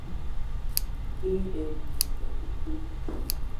Kiŋ enə ngul ai bitil.